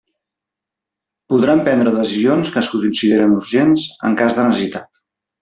Podran prendre decisions que es consideren urgents en cas de necessitat.